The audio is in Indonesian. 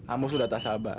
ambo sudah tak sabar